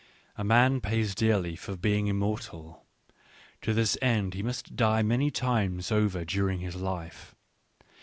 A man pays dearly for being intmortal : to this end he must die many times over during his life.